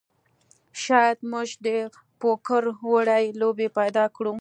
شاید موږ د پوکر وړې لوبې پیدا کړو